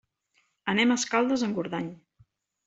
Anem a Escaldes-Engordany.